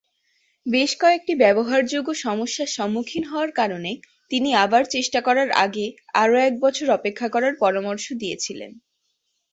বেশ কয়েকটি ব্যবহারযোগ্য সমস্যার সম্মুখীন হওয়ার কারণে, তিনি আবার চেষ্টা করার আগে আরও এক বছর অপেক্ষা করার পরামর্শ দিয়েছিলেন।